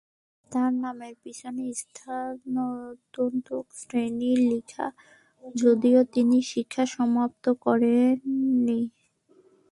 তার নামের পিছনে স্নাতক শ্রেণী লিখা যদিও তিনি শিক্ষা সমাপ্ত করেননি।